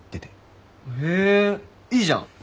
へぇいいじゃん！